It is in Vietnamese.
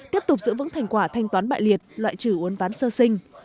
tiếp tục giữ vững thành quả thanh toán bại liệt loại trừ uốn ván sơ sinh